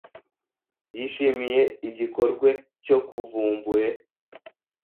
yishimiye igikorwe cyo kuvumbure